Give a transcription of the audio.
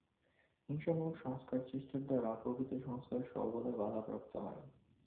হিংসামূলক সংস্কার-চেষ্টার দ্বারা প্রকৃত সংস্কার সর্বদাই বাধাপ্রাপ্ত হয়।